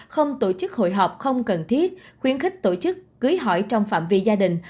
không tổ chức hội họp không cần thiết khuyến khích tổ chức cưới hỏi trong phạm vi gia đình